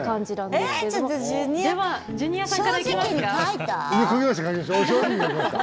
ではジュニアさんからいきますか？